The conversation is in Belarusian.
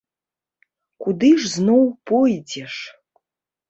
Куды ж зноў пойдзеш?